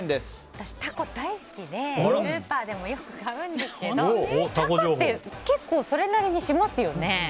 私、タコ大好きでスーパーでもよく買うんですけどタコって結構それなりにしますよね。